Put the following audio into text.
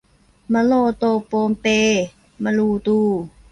มะโลโตโปเปมะลูตู